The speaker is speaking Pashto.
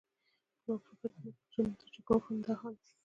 زما په فکر زموږ د جګړو همدا حال و.